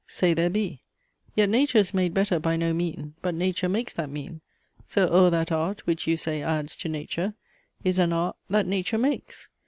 Say there be; Yet nature is made better by no mean, But nature makes that mean; so, o'er that art, Which, you say, adds to nature, is an art, That nature makes.